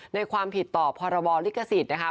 ในความผิดต่อพบริกสิทธิ์นะครับ